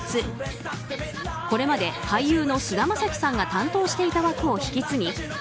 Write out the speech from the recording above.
これまで俳優の菅田将暉さんが担当していた枠を引き継ぎ